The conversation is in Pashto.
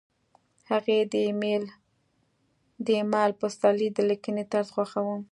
هغې د ایمل پسرلي د لیکنې طرز خوښاوه